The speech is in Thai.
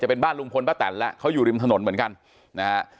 เป็นบ้านลุงพลป้าแตนแล้วเขาอยู่ริมถนนเหมือนกันนะฮะ